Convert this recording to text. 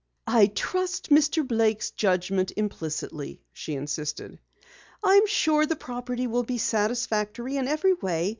"I trust Mr. Blake's judgment implicitly," she insisted. "I am sure the property will be satisfactory in every way.